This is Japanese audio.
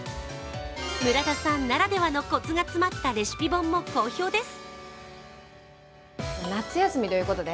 村田さんならではのコツが詰まったレシピ本も好評です。